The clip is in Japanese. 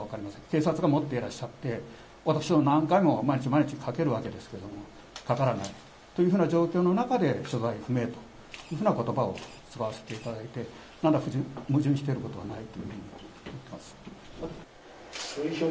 警察が持っていらっしゃって、私ども、何回も毎日毎日かけるわけですけど、かからないというふうな状況の中で、所在不明というふうなことばを使わせていただいて、なんら矛盾していることはないというふうに思っています。